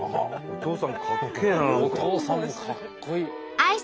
お父さんもかっこいい。